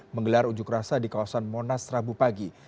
menggelar unjuk rasa di kawasan monas rabu pagi